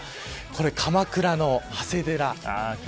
これは鎌倉の長谷寺。